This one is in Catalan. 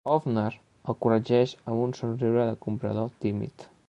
Öffner —el corregeix amb un somriure de comprador tímid—.